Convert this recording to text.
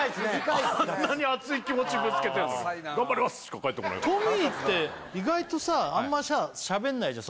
あんなに熱い気持ちぶつけてんのよ「頑張ります」しか返ってこないトミーって意外とさあんまさ喋んないじゃん